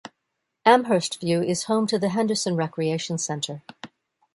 Amherstview is home to the Henderson Recreation Centre.